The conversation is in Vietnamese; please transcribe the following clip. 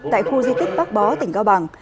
tại khu di tích bắc bó tỉnh cao bằng